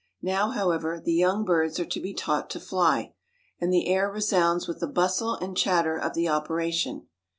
Now, however, the young birds are to be taught to fly; and the air resounds with the bustle and chatter of the operation.